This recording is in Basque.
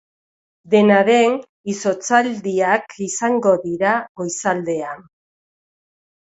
Dena den, izotzaldiak izango dira goizaldean.